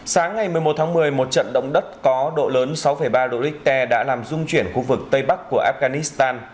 sáng ngày một mươi một tháng một mươi một trận động đất có độ lớn sáu ba độ richter đã làm dung chuyển khu vực tây bắc của afghanistan